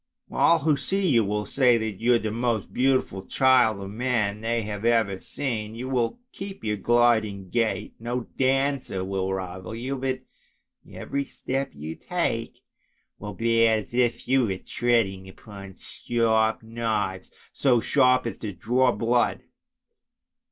All who see you will say that you are the most beautiful child of man they have ever seen. You will keep your gliding gait, no dancer will rival you, but every step you take will be as if you were treading upon sharp knives, so sharp as to draw blood.